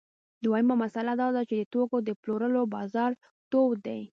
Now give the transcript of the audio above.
دویمه مسئله دا ده چې د توکو د پلورلو بازار تود دی